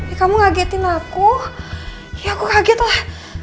ya kamu ngagetin aku ya aku kaget lah